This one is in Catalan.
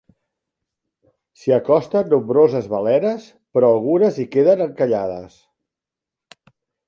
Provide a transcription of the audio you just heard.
S'hi acosten nombroses balenes però algunes hi queden encallades.